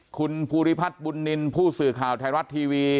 คุณภูริพัฒน์บุญนินทร์ผู้สื่อข่าวไทยรัฐทีวี